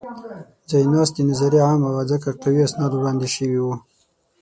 ځایناستې نظریه عامه وه؛ ځکه قوي اسناد وړاندې شوي وو.